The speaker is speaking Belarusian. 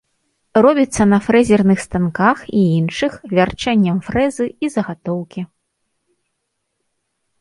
Робіцца на фрэзерных станках і іншых вярчэннем фрэзы і загатоўкі.